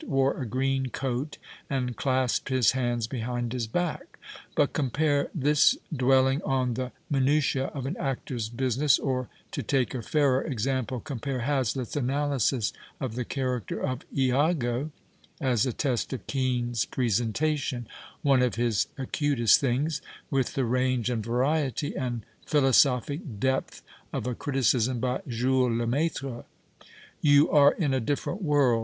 wore a green coat and clasped his hands behind his back. But compare this dwelling on the minutifc of an actor's business or, to take a fairer example, compare Hazlitt's analysis of the character of lago (as a test of Kean's presentation) — one of his acutest things — with the range and variety and philosophic depth of a criticism by Jules Lemaitre. You are in a different world.